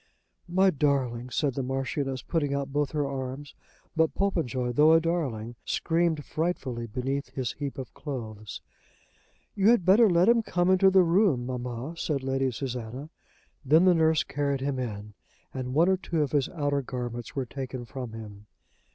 "My darling," said the Marchioness, putting out both her arms. But Popenjoy, though a darling, screamed frightfully beneath his heap of clothes. "You had better let him come into the room, mamma," said Lady Susanna. Then the nurse carried him in, and one or two of his outer garments were taken from him.